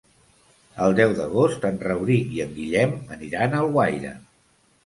El deu d'agost en Rauric i en Guillem aniran a Alguaire.